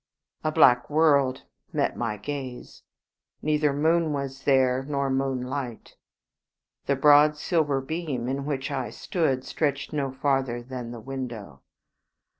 A black world met my gaze. Neither moon was there nor moonlight: the broad silver beam in which I stood stretched no farther than the window.